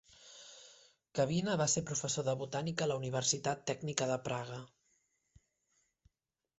Kavina va ser professor de botànica a la Universitat Tècnica de Praga.